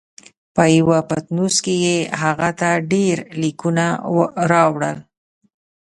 په یوه پتنوس کې یې هغه ته ډېر لیکونه راوړل.